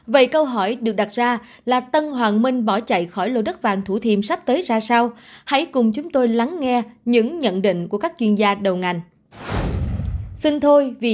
vậy câu hỏi được đặt ra là tân hoàng minh bỏ chạy khỏi lô đất vàng thủ thiêm sắp tới ra sao hãy cùng chúng tôi lắng nghe những nhận định của các chuyên gia đầu ngành